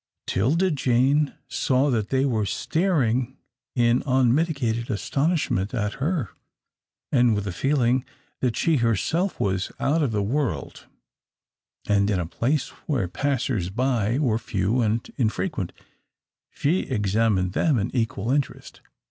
'Tilda Jane saw that they were staring in unmitigated astonishment at her, and with a feeling that she herself was out of the world and in a place where passers by were few and infrequent, she examined them in equal interest.